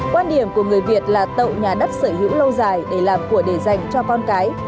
quan điểm của người việt là tậu nhà đất sở hữu lâu dài để làm của để dành cho con cái